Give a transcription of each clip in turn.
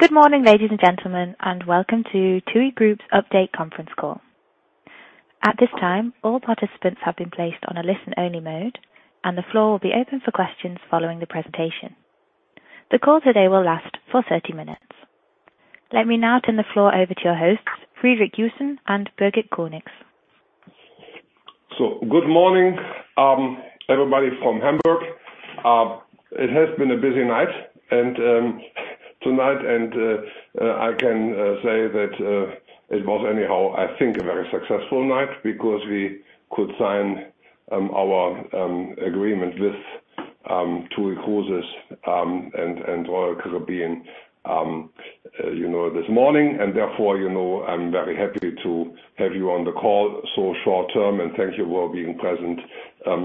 Good morning, ladies and gentlemen, and welcome to TUI Group's update conference call. At this time, all participants have been placed on a listen-only mode, and the floor will be open for questions following the presentation. The call today will last for 30 minutes. Let me now turn the floor over to your hosts, Friedrich Joussen and Birgit Conix. Good morning everybody from Hamburg. It has been a busy night, and tonight, and I can say that it was anyhow, I think, a very successful night because we could sign our agreement with TUI Cruises and Royal Caribbean this morning. Therefore, I'm very happy to have you on the call so short term, and thank you for being present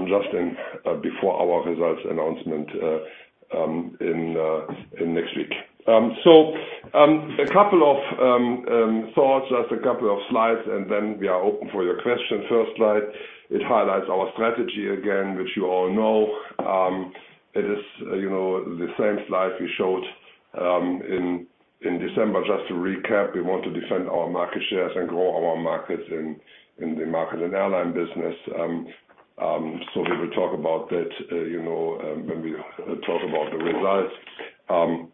just in before our results announcement in next week. A couple of thoughts, just a couple of slides, and then we are open for your questions. First slide, it highlights our strategy again, which you all know. It is the same slide we showed in December. Just to recap, we want to defend our market shares and grow our markets in the market and airline business. We will talk about that when we talk about the results.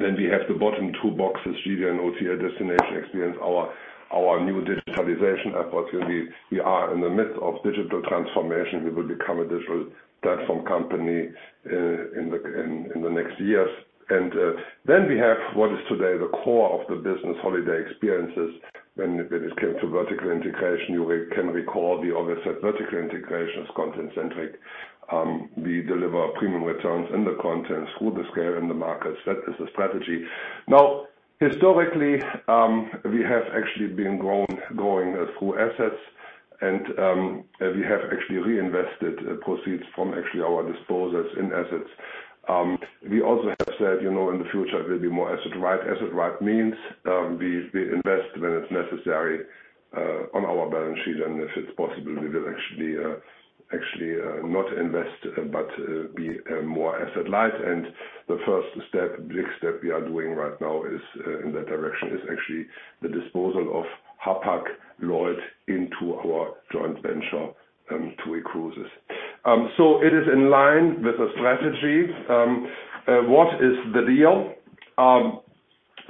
We have the bottom two boxes, GDA and OTA destination experience, our new digitalization opportunity. We are in the midst of digital transformation. We will become a digital platform company in the next years. We have what is today the core of the business holiday experiences. When it came to vertical integration, you can recall we always said vertical integration is content-centric. We deliver premium returns in the content through the scale in the markets. That is the strategy. Now, historically, we have actually been growing through assets, and we have actually reinvested proceeds from actually our disposals in assets. We also have said in the future we'll be more asset-light. Asset-light means we invest when it's necessary on our balance sheet, and if it's possible, we will actually not invest but be more asset-light. The first big step we are doing right now in that direction is actually the disposal of Hapag-Lloyd into our joint venture, TUI Cruises. It is in line with the strategy. What is the deal?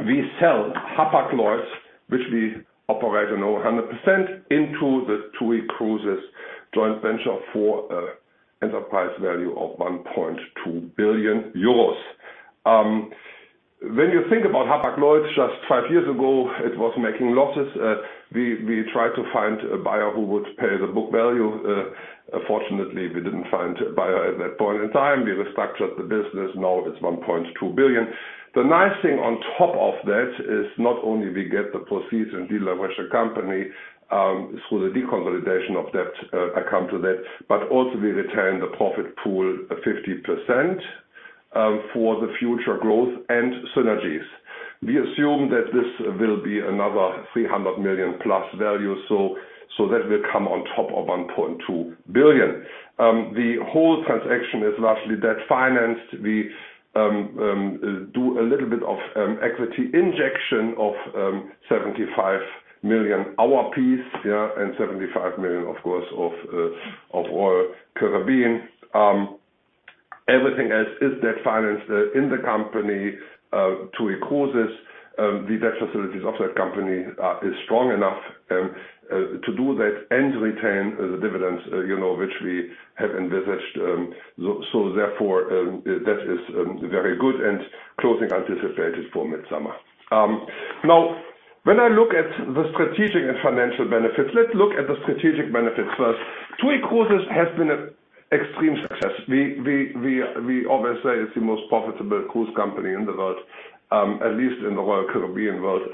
We sell Hapag-Lloyd, which we operate on over 100%, into the TUI Cruises joint venture for enterprise value of 1.2 billion euros. When you think about Hapag-Lloyd, just five years ago, it was making losses. We tried to find a buyer who would pay the book value. Unfortunately, we didn't find a buyer at that point in time. We restructured the business. Now it's 1.2 billion. The nice thing on top of that is not only we get the proceeds and deleverage the company through the deconsolidation of debt, I come to that, but also we retain the profit pool 50% for the future growth and synergies. We assume that this will be another 300 million+ value. That will come on top of 1.2 billion. The whole transaction is largely debt-financed. We do a little bit of equity injection of 75 million our piece, yeah, and 75 million, of course, of Royal Caribbean. Everything else is debt-financed in the company TUI Cruises. The debt facilities of that company is strong enough to do that and retain the dividends which we have envisaged. Therefore, that is very good and closing anticipated for midsummer. When I look at the strategic and financial benefits, let's look at the strategic benefits first. TUI Cruises has been an extreme success. We always say it's the most profitable cruise company in the world, at least in the Royal Caribbean world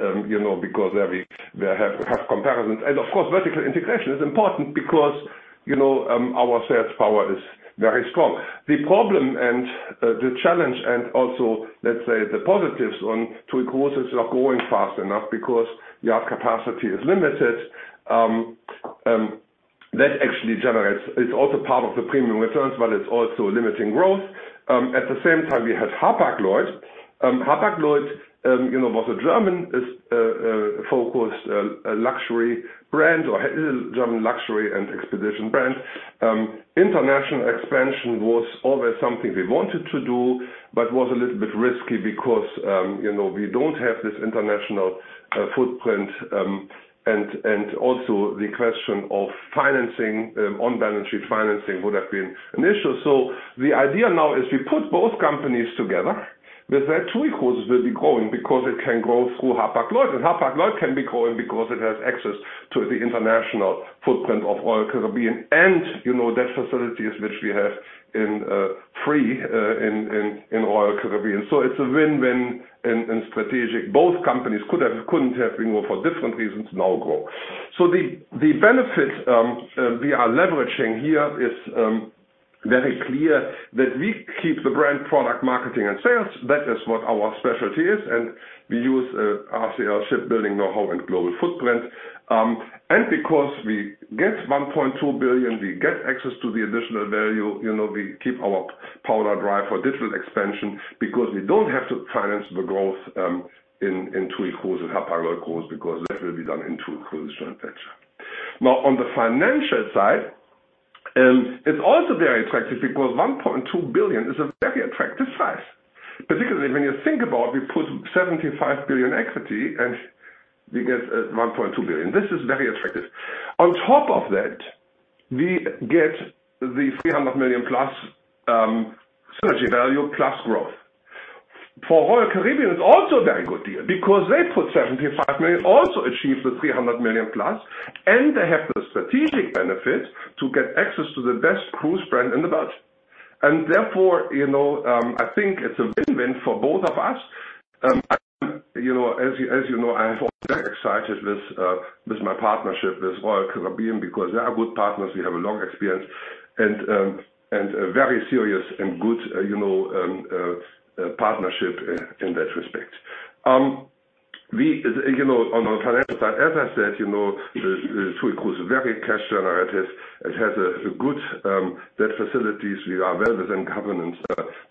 because there we have comparisons. Of course, vertical integration is important because our sales power is very strong. The problem and the challenge also, let's say, the positives on TUI Cruises are growing fast enough because yard capacity is limited. That actually generates, it's also part of the premium returns, but it's also limiting growth. At the same time, we had Hapag-Lloyd. Hapag-Lloyd was a German-focused luxury brand or is a German luxury and expedition brand. International expansion was always something we wanted to do, but was a little bit risky because we don't have this international footprint, and also the question of financing on balance sheet financing would have been an issue. The idea now is we put both companies together. With that, TUI Cruises will be growing because it can grow through Hapag-Lloyd, and Hapag-Lloyd can be growing because it has access to the international footprint of Royal Caribbean and debt facilities which we have in free in Royal Caribbean. It's a win-win in strategic. Both companies couldn't have grown for different reasons, now grow. The benefit we are leveraging here is very clear that we keep the brand product marketing and sales. That is what our specialty is, and we RCL shipbuilding know-how and global footprint. Because we get 1.2 billion, we get access to the additional value. We keep our powder dry for digital expansion because we don't have to finance the growth in TUI Cruises and Hapag-Lloyd Cruises, because that will be done in TUI Cruises joint venture. On the financial side, it's also very attractive because 1.2 billion is a very attractive size. Particularly when you think about, we put 75 billion equity, and we get 1.2 billion. This is very attractive. On top of that, we get the 300 million+ synergy value plus growth. For Royal Caribbean, it is also a very good deal because they put 75 million, also achieve the 300 million+, and they have the strategic benefit to get access to the best cruise brand in the world. Therefore, I think it is a win-win for both of us. As you know, I am very excited with my partnership with Royal Caribbean because they are good partners. We have a long experience and a very serious and good partnership in that respect. On the financial side, as I said, TUI Cruises is very cash generative. It has good debt facilities. We are well within governance,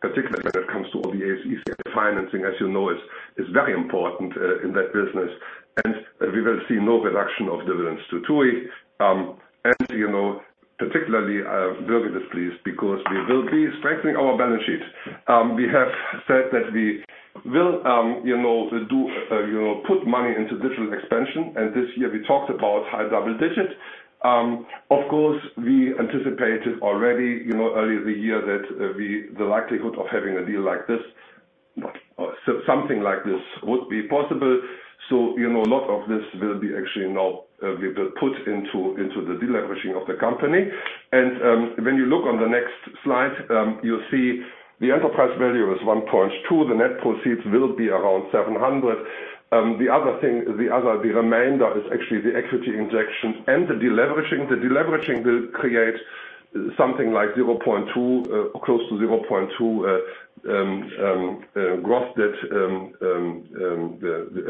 particularly when it comes to all the ESG financing. As you know, it is very important in that business, and we will see no reduction of dividends to TUI. Particularly, Birgit is pleased because we will be strengthening our balance sheet. We have said that we will put money into digital expansion, and this year we talked about high double digits. Of course, we anticipated already, early the year, that the likelihood of having a deal like this or something like this would be possible. A lot of this will be actually now will be put into the deleveraging of the company. When you look on the next slide, you'll see the enterprise value is 1.2. The net proceeds will be around 700. The other thing, the remainder is actually the equity injection and the deleveraging. The deleveraging will create something like close to 0.2 gross debt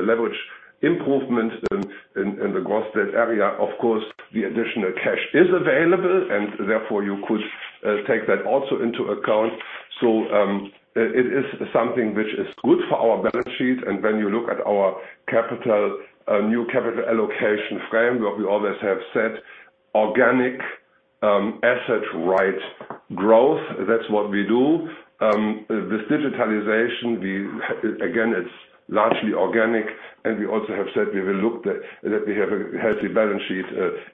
leverage improvement in the gross debt area. Of course, the additional cash is available, and therefore you could take that also into account. It is something which is good for our balance sheet. When you look at our new capital allocation framework, we always have said organic asset right growth. That's what we do. This digitalization, again, it's largely organic. We also have said we will look that we have a healthy balance sheet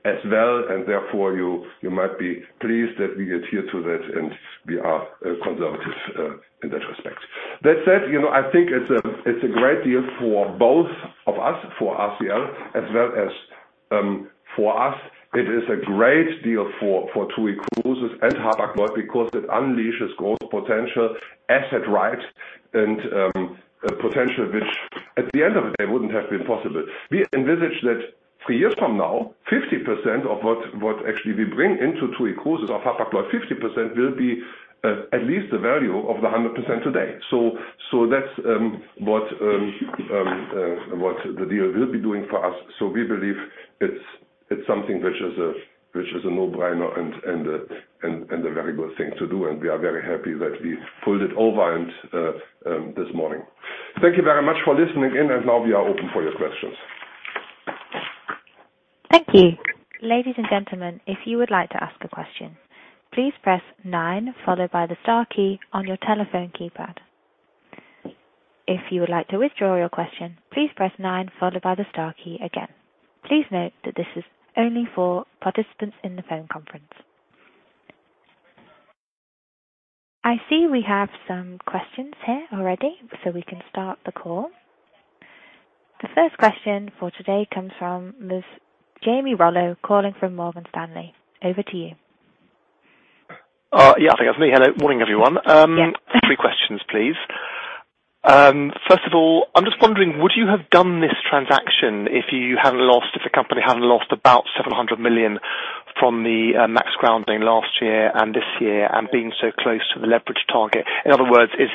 as well, and therefore you might be pleased that we adhere to that, and we are conservative in that respect. That said, I think it's a great deal for both of us, for RCL as well as for us. It is a great deal for TUI Cruises and Hapag-Lloyd because it unleashes growth potential, asset right and potential, which at the end of the day wouldn't have been possible. We envisage that three years from now, 50% of what actually we bring into TUI Cruises of Hapag-Lloyd, 50% will be at least the value of the 100% today. That's what the deal will be doing for us. We believe it's something which is a no-brainer and a very good thing to do, and we are very happy that we pulled it over this morning. Thank you very much for listening in, and now we are open for your questions. Thank you. Ladies and gentlemen, if you would like to ask a question, please press nine followed by the star key on your telephone keypad. If you would like to withdraw your question, please press nine followed by the star key again. Please note that this is only for participants in the phone conference. I see we have some questions here already. We can start the call. The first question for today comes from Miss Jamie Rollo, calling from Morgan Stanley. Over to you. Yeah, I think that's me. Hello. Morning, everyone. Yes. Three questions, please. First of all, I'm just wondering, would you have done this transaction if the company hadn't lost about 700 million from the MAX grounding last year and this year and being so close to the leverage target? In other words, is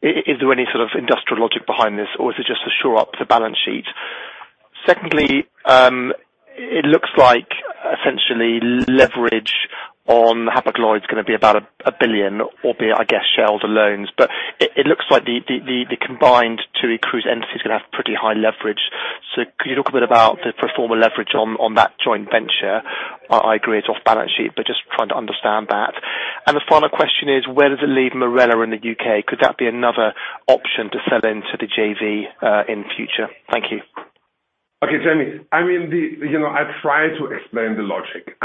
there any sort of industrial logic behind this, or is it just to shore up the balance sheet? Secondly, it looks like essentially leverage on Hapag-Lloyd is going to be about 1 billion, albeit, I guess, shareholder loans. It looks like the combined TUI Cruises entity is going to have pretty high leverage. Could you talk a bit about the pro forma leverage on that joint venture? I agree it's off balance sheet, but just trying to understand that. The final question is, where does it leave Marella in the U.K.? Could that be another option to sell into the JV, in future? Thank you. Okay, Jamie. I tried to explain the logic.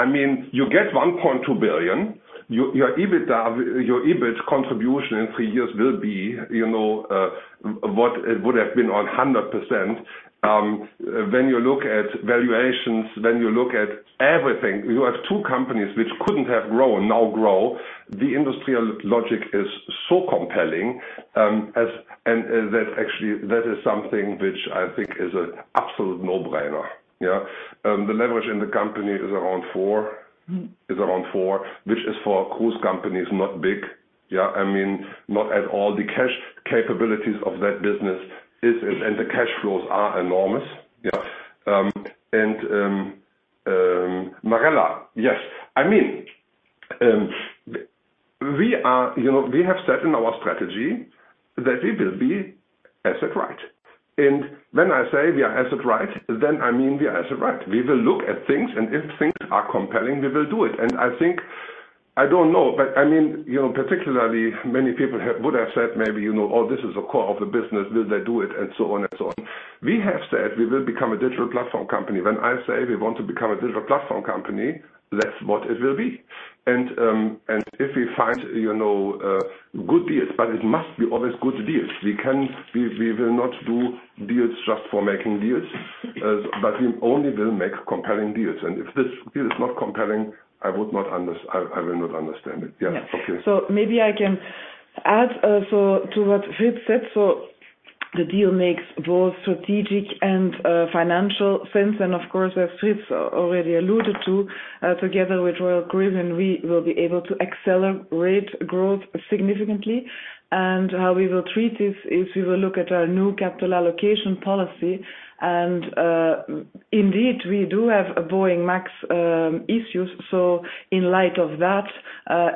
You get 1.2 billion. Your EBIT contribution in three years will be what it would have been on 100%. When you look at valuations, when you look at everything, you have two companies which couldn't have grown, now grow. The industrial logic is so compelling, that actually that is something which I think is an absolute no-brainer. Yeah. The leverage in the company is around four, which is for a cruise company is not big. Yeah. I mean, not at all. The cash capabilities of that business and the cash flows are enormous. Yes. Marella, yes. We have set in our strategy that we will be asset right. When I say we are asset right, then I mean we are asset right. We will look at things, and if things are compelling, we will do it. I think, I don't know, but particularly many people would have said maybe, "Oh, this is the core of the business. Will they do it?" So on and so on. We have said we will become a digital platform company. When I say we want to become a digital platform company, that's what it will be. If we find good deals, but it must be always good deals. We will not do deals just for making deals. We only will make compelling deals. If this deal is not compelling, I will not understand it. Yes. Okay. Yes. Maybe I can add also to what Fried said. The deal makes both strategic and financial sense. Of course, as Fried already alluded to, together with Royal Caribbean, we will be able to accelerate growth significantly. How we will treat this is we will look at our new capital allocation policy, and, indeed, we do have a Boeing MAX issues. In light of that,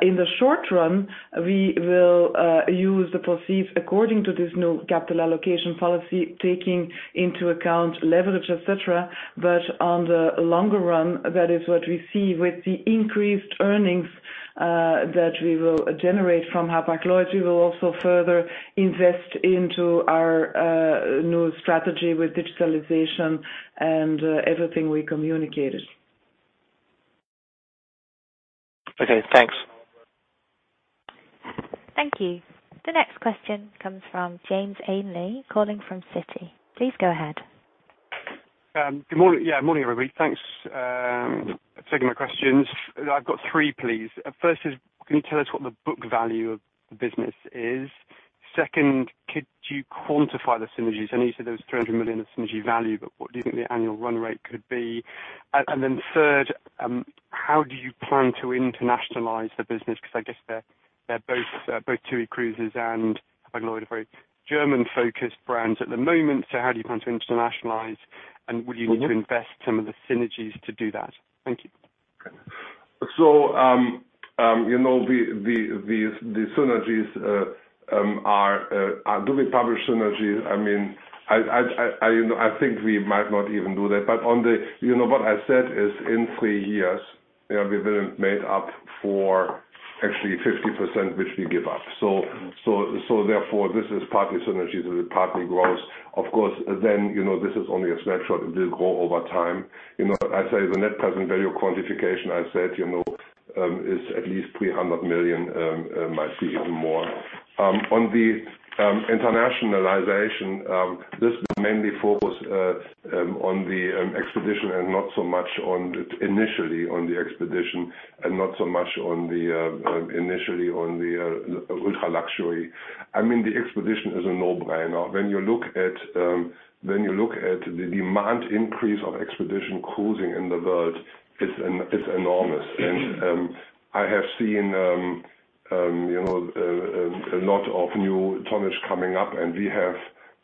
in the short run, we will use the proceeds according to this new capital allocation policy, taking into account leverage, et cetera. On the longer run, that is what we see with the increased earnings that we will generate from Hapag-Lloyd. We will also further invest into our new strategy with digitalization and everything we communicated. Okay, thanks. Thank you. The next question comes from James Ainley, calling from Citi. Please go ahead. Good morning, everybody. Thanks for taking my questions. I've got three, please. First is, can you tell us what the book value of the business is? Second, could you quantify the synergies? I know you said there was 300 million of synergy value, but what do you think the annual run rate could be? Third, how do you plan to internationalize the business? I guess both TUI Cruises and Hapag-Lloyd are very German-focused brands at the moment. How do you plan to internationalize and will you need to invest some of the synergies to do that? Thank you. Okay. The synergies, do we publish synergies? I think we might not even do that. What I said is in three years, we will have made up for actually 50%, which we give up. Therefore, this is partly synergies and partly growth. Of course, then, this is only a snapshot. It will grow over time. I say the net present value quantification I said, is at least 300 million, might see even more. On the internationalization, this mainly focus on the expedition and not so much initially on the ultra-luxury. The expedition is a no-brainer. When you look at the demand increase of expedition cruising in the world, it's enormous. I have seen a lot of new tonnage coming up.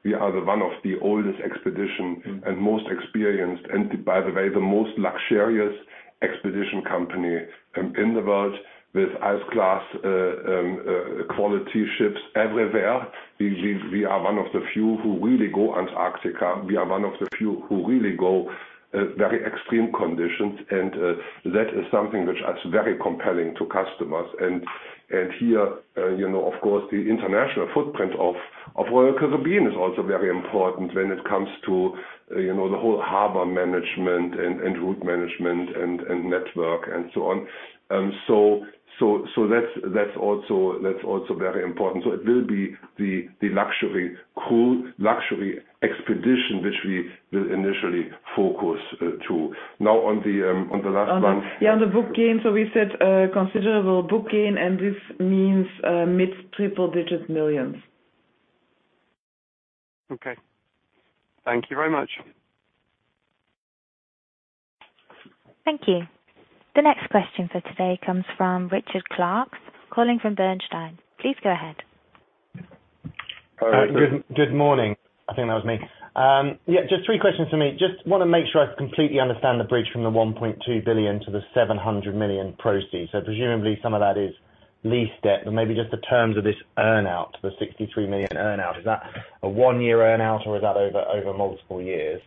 We are one of the oldest expedition and most experienced, and by the way, the most luxurious expedition company in the world with ice-class quality ships everywhere. We are one of the few who really go Antarctica. We are one of the few who really go very extreme conditions, and that is something which is very compelling to customers. Here, of course, the international footprint of Royal Caribbean is also very important when it comes to the whole harbor management and route management and network and so on. That's also very important. It will be the luxury expedition, which we will initially focus to. On the last one- Yeah, on the book gain. We said a considerable book gain, and this means mid triple-digit millions. Okay. Thank you very much. Thank you. The next question for today comes from Richard Clarke, calling from Bernstein. Please go ahead. Hi, Richard. Good morning. I think that was me. Yeah, just three questions from me. Just want to make sure I completely understand the bridge from the 1.2 billion to the 700 million proceeds. Presumably, some of that is lease debt, but maybe just the terms of this earn-out, the 63 million earn-out. Is that a one-year earn-out or is that over multiple years?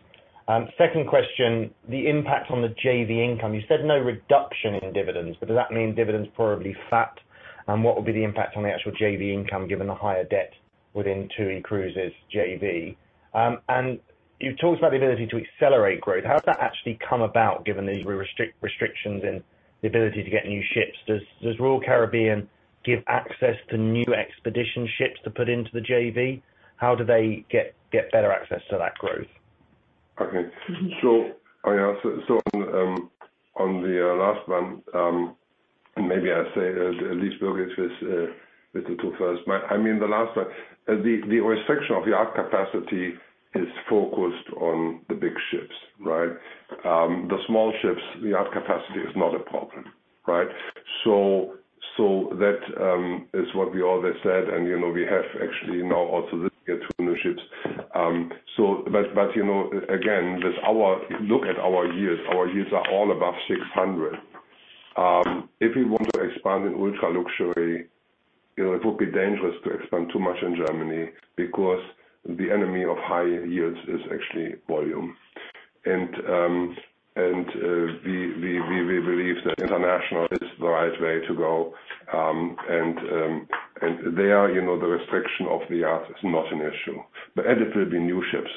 Second question, the impact on the JV income. You said no reduction in dividends, but does that mean dividends probably flat? What would be the impact on the actual JV income given the higher debt within TUI Cruises JV? You talked about the ability to accelerate growth. How does that actually come about given the restrictions in the ability to get new ships? Does Royal Caribbean give access to new expedition ships to put into the JV? How do they get better access to that growth? Okay. On the last one, maybe I say lease brokerage with TUI first. I mean, the last one. The restriction of the berth capacity is focused on the big ships. The small ships, the berth capacity is not a problem. That is what we always said, and we have actually now also delivered two new ships. Again, look at our yields. Our yields are all above 600. If we want to expand in ultra-luxury, it would be dangerous to expand too much in Germany because the enemy of high yields is actually volume. We believe that international is the right way to go. There, the restriction of the berth is not an issue. It will be new ships.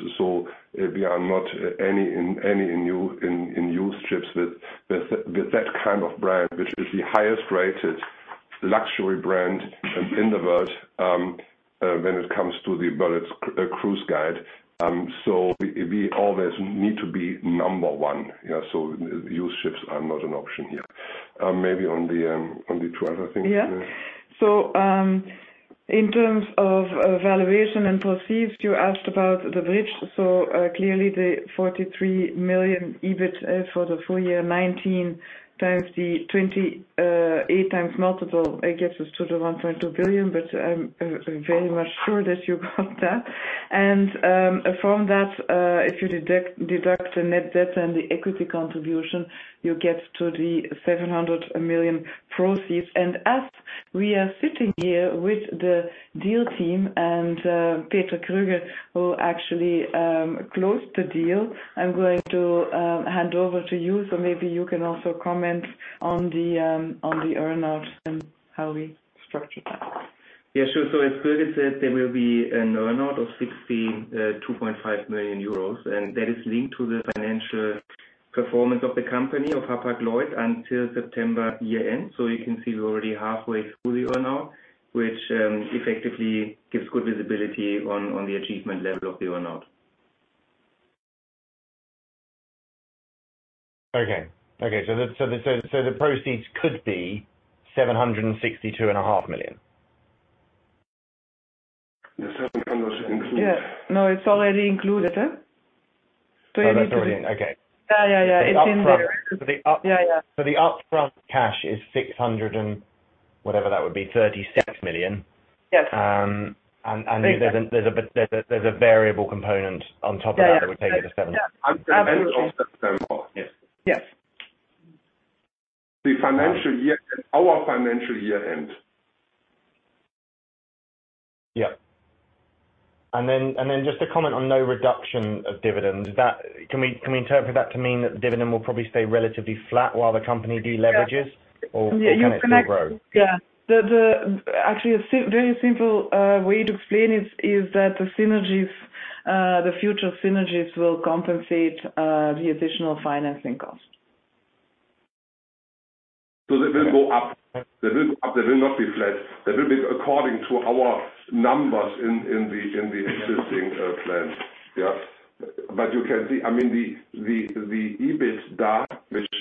We are not any in used ships with that kind of brand, which is the highest rated luxury brand in the world when it comes to the Berlitz Cruise Guide. We always need to be number one. Used ships are not an option here. Maybe on the 12, I think. In terms of valuation and proceeds, you asked about the bridge. Clearly the 43 million EBIT for the full year 2019 times the 28x multiple, it gets us to 1.2 billion. I'm very much sure that you got that. From that, if you deduct the net debt and the equity contribution, you get to the 700 million proceeds. As we are sitting here with the deal team and Peter Krueger, who actually closed the deal, I'm going to hand over to you. Maybe you can also comment on the earn-out and how we structured that. Yeah, sure. As Birgit said, there will be an earn-out of 62.5 million euros. That is linked to the financial performance of the company, of Hapag-Lloyd, until September year-end. You can see we're already halfway through the earn-out, which effectively gives good visibility on the achievement level of the earn-out. Okay. The proceeds could be 762.5 million? The 700 is included. Yeah. No, it's already included. Oh, that's already in, okay. Yeah. It's in there. The upfront cash is 600 and, whatever that would be, 36 million. Yes. There's a variable component on top of that that would take it to seven. Yeah, absolutely. At the end of September. Yes. Yes. The financial year, our financial year end. Just to comment on no reduction of dividends, can we interpret that to mean that the dividend will probably stay relatively flat while the company de-leverages? Or can it still grow? Actually, a very simple way to explain it is that the future synergies will compensate the additional financing cost. That will go up. That will not be flat. That will be according to our numbers in the existing plan. Yeah. You can see, the EBITDA, which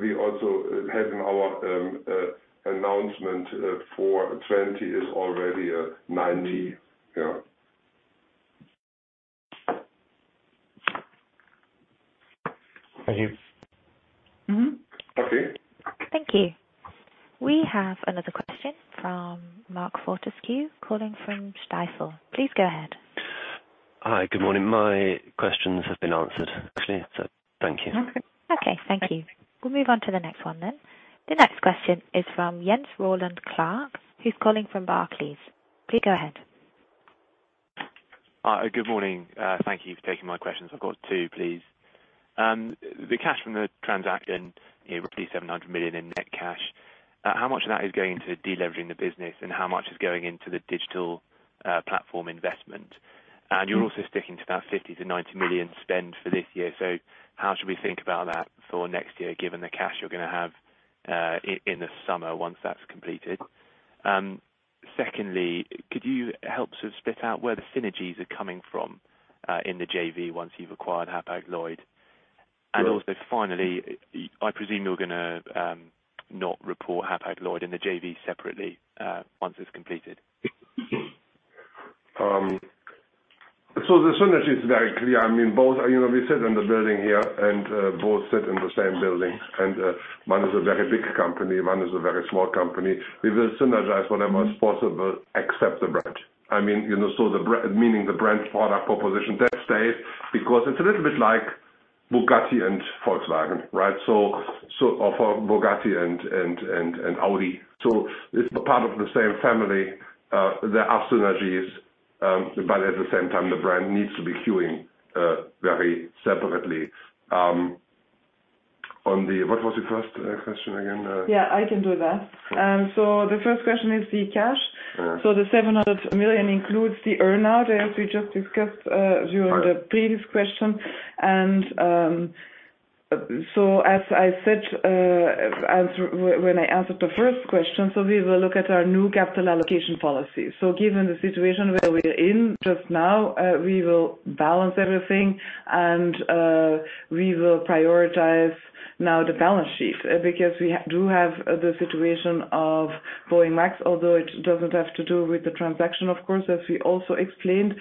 we also had in our announcement for 2020, is already EUR 90. Yeah. Thank you. Okay. Thank you. We have another question from Mark Fortescue, calling from Stifel. Please go ahead. Hi. Good morning. My questions have been answered, actually, so thank you. Okay. Thank you. We'll move on to the next one then. The next question is from James Rowland Clark, who's calling from Barclays. Please go ahead. Good morning. Thank you for taking my questions. I've got two, please. The cash from the transaction, roughly 700 million in net cash, how much of that is going to de-leveraging the business and how much is going into the digital platform investment? You're also sticking to that 50 million-90 million spend for this year. How should we think about that for next year, given the cash you're going to have in the summer once that's completed? Secondly, could you help split out where the synergies are coming from in the JV once you've acquired Hapag-Lloyd? Also finally, I presume you're going to not report Hapag-Lloyd and the JV separately once it's completed. The synergy is very clear. We sit in the building here, and both sit in the same building. One is a very big company, one is a very small company. We will synergize whatever is possible except the brand. Meaning the brand product proposition, that stays. It's a little bit like Bugatti and Volkswagen. Bugatti and Audi. It's part of the same family. There are synergies, but at the same time, the brand needs to be queuing very separately. What was your first question again? Yeah, I can do that. The first question is the cash. Yeah. The 700 million includes the earn-out, as we just discussed during the previous question. As I said when I answered the first question, we will look at our new capital allocation policy. Given the situation where we're in just now, we will balance everything and we will prioritize now the balance sheet. We do have the situation of Boeing MAX, although it doesn't have to do with the transaction, of course, as we also explained.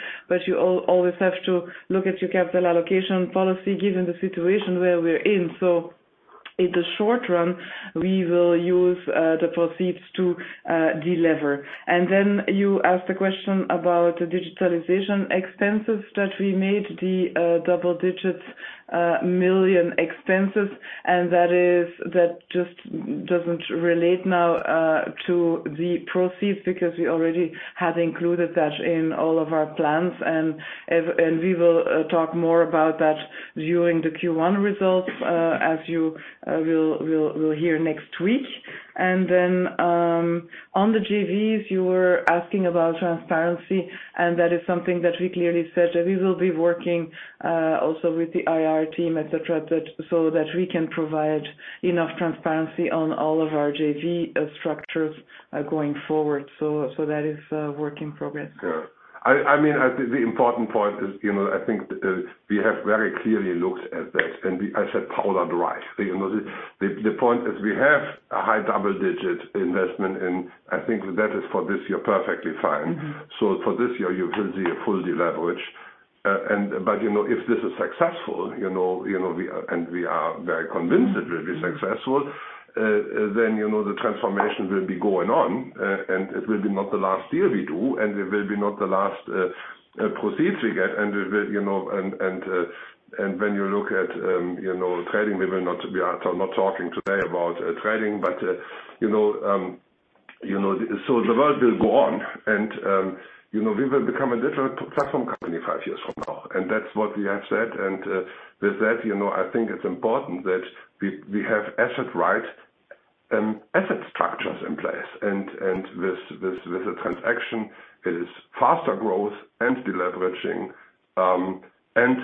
You always have to look at your capital allocation policy given the situation where we're in. In the short run, we will use the proceeds to delever. You asked a question about the digitalization expenses that we made, the double digits, million expenses. That just doesn't relate now to the proceeds because we already had included that in all of our plans. We will talk more about that during the Q1 results, as you will hear next week. On the JVs, you were asking about transparency, that is something that we clearly said that we will be working also with the IR team, et cetera, so that we can provide enough transparency on all of our JV structures going forward. That is a work in progress. The important point is, we have very clearly looked at that and as said, powered right. The point is we have a high double-digit investment in; I think that is for this year perfectly fine. For this year, you will see a full deleverage. If this is successful, and we are very convinced it will be successful, the transformation will be going on, and it will be not the last deal we do, and it will be not the last proceeds we get. When you look at trading, we are not talking today about trading. The world will go on and we will become a different platform company five years from now. That's what we have said. With that, I think it's important that we have asset-right and asset structures in place. With the transaction it is faster growth and deleveraging, and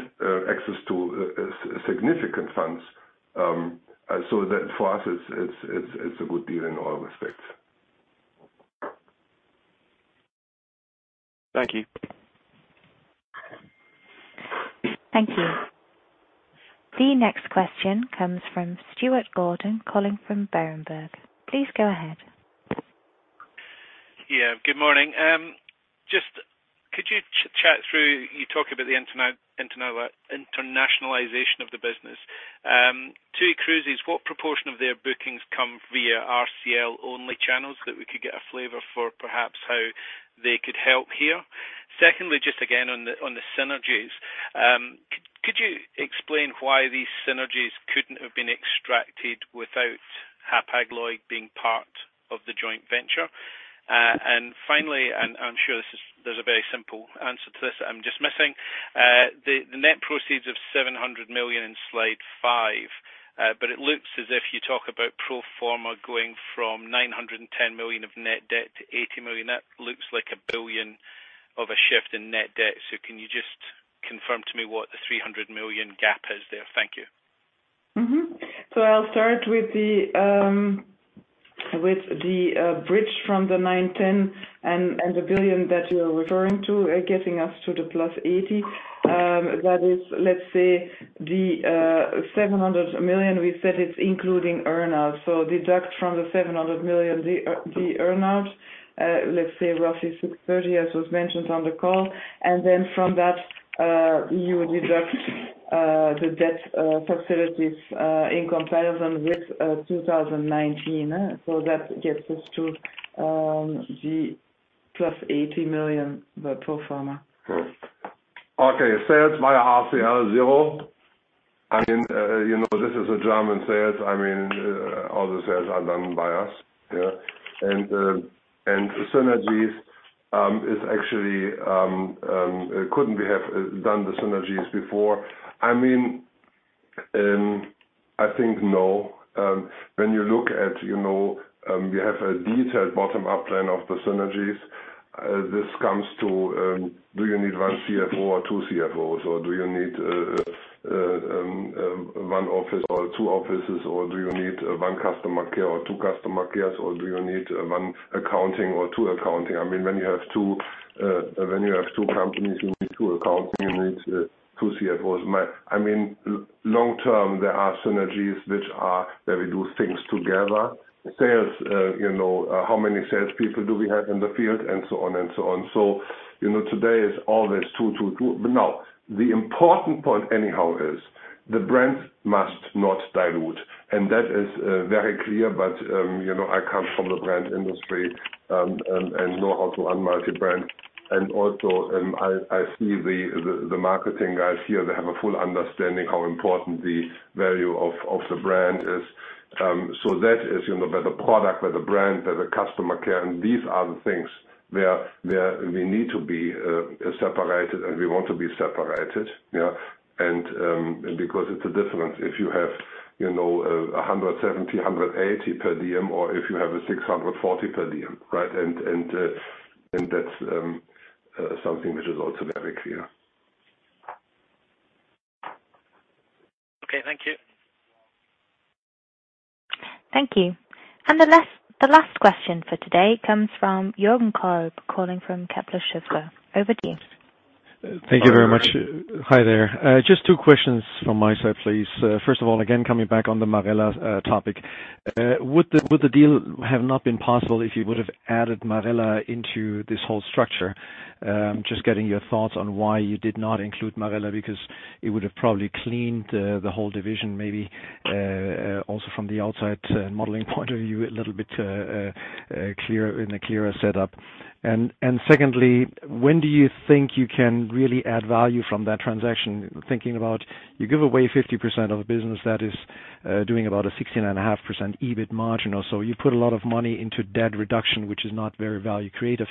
access to significant funds. That for us it's a good deal in all respects. Thank you. Thank you. The next question comes from Stuart Gordon calling from Berenberg. Please go ahead. Yeah, good morning. Just could you chat through, you talk about the internationalization of the business. TUI Cruises, what proportion of their bookings come via RCL only channels that we could get a flavor for perhaps how they could help here? Secondly, just again on the synergies. Could you explain why these synergies couldn't have been extracted without Hapag-Lloyd being part of the joint venture? Finally, and I'm sure there's a very simple answer to this that I'm just missing. The net proceeds of 700 million in slide five, but it looks as if you talk about pro forma going from 910 million of net debt to 80 million. That looks like 1 billion of a shift in net debt. Can you just confirm to me what the 300 million gap is there? Thank you. I'll start with the bridge from the 910 and the billion that you are referring to getting us to the +80 million. That is, let's say, the 700 million we said it's including earn out. Deduct from the 700 million the earn out, let's say roughly 630 million as was mentioned on the call. From that, you would deduct the debt facilities in comparison with 2019. That gets us to the EUR +80 million, the pro forma. Okay. Sales via RCL, zero. This is a German sales. All the sales are done by us. Yeah. Synergies is actually, couldn't we have done the synergies before? I think no. When you look at, we have a detailed bottom-up plan of the synergies. This comes to, do you need one CFO or two CFOs? Do you need one office or two offices? Do you need one customer care or two customer cares? Do you need one accounting or two accounting? When you have two companies, you need two accounting, you need two CFOs. Long term, there are synergies where we do things together. Sales, how many sales people do we have in the field, and so on. Today is always two. The important point anyhow is the brands must not dilute, and that is very clear. I come from the brand industry and know how to run multi-brand. Also, I see the marketing guys here, they have a full understanding how important the value of the brand is. That is where the product, where the brand, where the customer care, and these are the things where we need to be separated, and we want to be separated. Yeah. Because it's a difference if you have 170, 180 per diem or if you have a 640 per diem, right? That's something which is also very clear. Okay, thank you. Thank you. The last question for today comes from Jürgen Kolb, calling from Kepler Cheuvreux. Over to you. Thank you very much. Hi there. Just two questions from my side, please. First of all, again, coming back on the Marella topic. Would the deal have not been possible if you would have added Marella into this whole structure? Just getting your thoughts on why you did not include Marella because it would have probably cleaned the whole division, maybe also from the outside modeling point of view, a little bit in a clearer setup. Secondly, when do you think you can really add value from that transaction? Thinking about you give away 50% of the business that is doing about a 16.5% EBIT margin or so. You put a lot of money into debt reduction, which is not very value creative.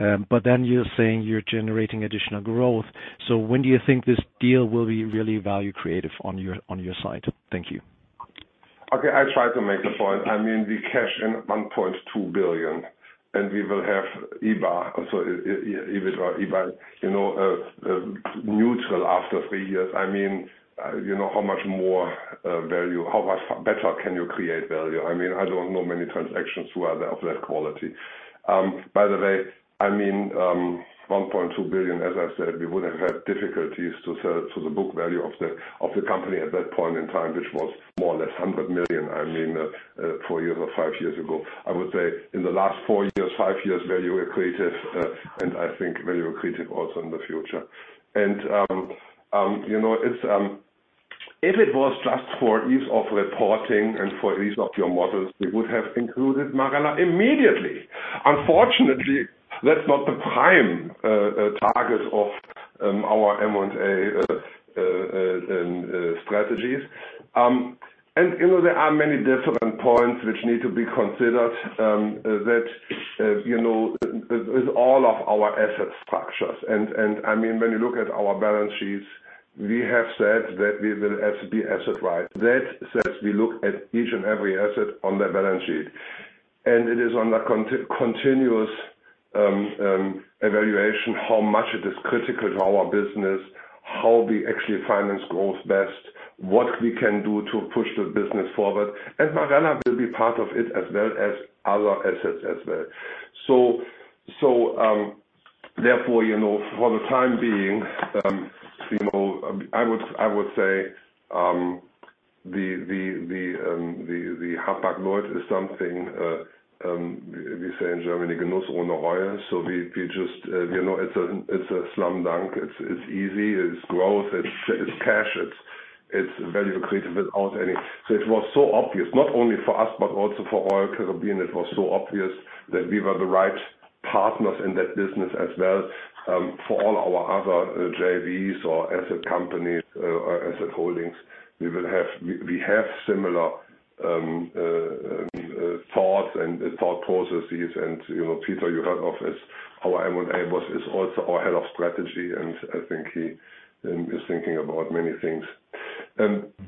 You're saying you're generating additional growth. When do you think this deal will be really value creative on your side? Thank you. Okay, I try to make the point. We cash in 1.2 billion and we will have EBITDA neutral after three years. How much better can you create value? I don't know many transactions of that quality. By the way, 1.2 billion, as I said, we would have had difficulties to sell to the book value of the company at that point in time, which was more or less 100 million four years or five years ago. I would say in the last four years, five years, value accretive, and I think value accretive also in the future. If it was just for ease of reporting and for ease of your models, we would have included Marella immediately. Unfortunately, that's not the prime target of our M&A strategies. There are many different points which need to be considered that with all of our asset structures. When you look at our balance sheets, we have said that we will SBE asset right. That said, we look at each and every asset on that balance sheet. It is under continuous evaluation how much it is critical to our business, how we actually finance growth best, what we can do to push the business forward. Marella will be part of it as well as other assets as well. Therefore, for the time being I would say the Hapag-Lloyd is something we say in Germany, Genuss ohne Reue. It's a slam dunk. It's easy. It's growth, it's cash, it's value accretive without any. It was so obvious, not only for us, but also for Oetker. I mean, it was so obvious that we were the right partners in that business as well for all our other JVs or asset companies or asset holdings. We have similar thoughts and thought processes. Peter, you heard of this, our M&A boss is also our head of strategy, and I think he is thinking about many things.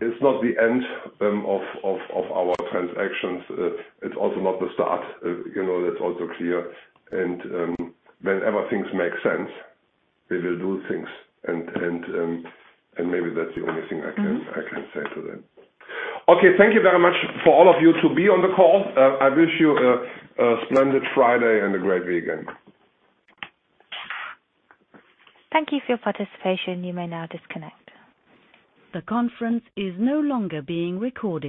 It's not the end of our transactions. It's also not the start. That's also clear. Whenever things make sense, we will do things and maybe that's the only thing I can say to that. Okay. Thank you very much for all of you to be on the call. I wish you a splendid Friday and a great weekend. Thank you for your participation. You may now disconnect.